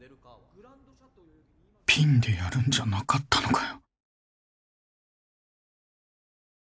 ピンでやるんじゃなかったのかよ？